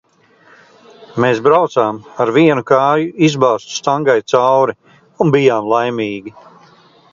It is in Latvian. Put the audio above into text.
Mēs braucām ar vienu kāju izbāztu stangai cauri un bijām laimīgi.